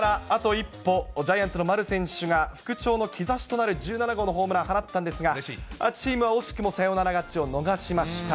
一歩、ジャイアンツの丸選手が、復調の兆しとなる１７号のホームランを放ったんですが、チームは惜しくもサヨナラ勝ちを逃しました。